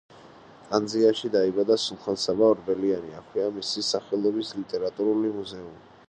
ტანძიაში დაიბადა სულხან-საბა ორბელიანი, აქვეა მისი სახელობის ლიტერატურული მუზეუმი.